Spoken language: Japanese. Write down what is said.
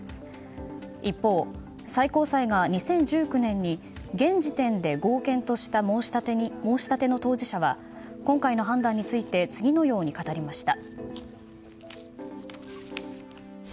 一方、最高裁が２０１９年に現時点で合憲とした申し立ての当事者は今回の判断について次のように語りました。